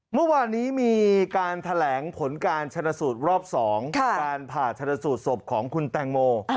เมื่อวานนี้มีการแถลงผลการชนะสูตรรอบ๒การผ่าชนสูตรศพของคุณแตงโม